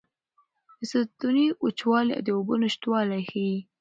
د ستوني وچوالی د اوبو نشتوالی ښيي.